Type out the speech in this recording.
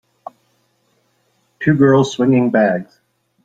Two girls swinging bags.